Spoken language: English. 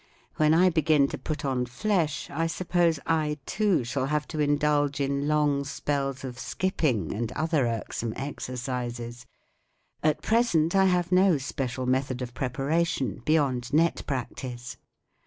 When I begin to put on flesh I suppose I, too, shall have to indulge in long spells of skipping and other irksome exercises. At present I have no special method of preparation beyond net practice.